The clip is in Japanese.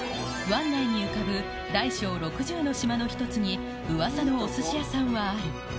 湾内に浮かぶ大小６０の島の一つに、うわさのおすし屋さんはある。